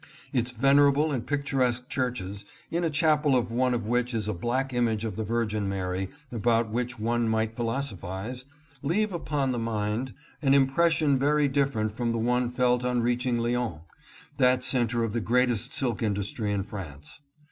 Its vener able and picturesque churches, in a chapel of one of which is a black image of the Virgin Mary about which one might philosophize, leave upon the mind: an impres sion very different from the one felt on reaching Lyons, that center of the greatest silk industry in France.